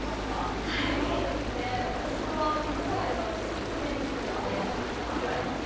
私も暇さえあればずっとゲームしているので言われますね。